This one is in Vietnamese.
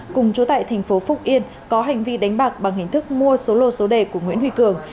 cùng chú tại thành phố phúc yên có hành vi đánh bạc bằng hình thức mua số lô số đề của nguyễn huy cường